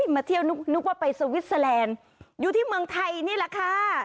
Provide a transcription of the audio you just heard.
มาเที่ยวนึกว่าไปสวิสเตอร์แลนด์อยู่ที่เมืองไทยนี่แหละค่ะ